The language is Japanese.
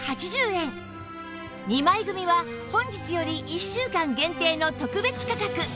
２枚組は本日より１週間限定の特別価格